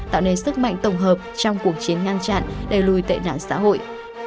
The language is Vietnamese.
tạo nên sức mạnh tổng hợp trong cuộc chiến ngăn chặn đẩy lùi tệ nạn xã hội